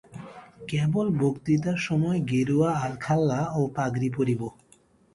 কেবল, বক্তৃতার সময় গেরুয়া আলখাল্লা ও পাগড়ি পরিব।